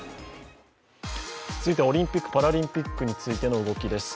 続いてはオリンピック・パラリンピックについての動きです。